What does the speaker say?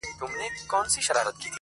o مستي، مستاني، سوخي، شنګي د شرابو لوري.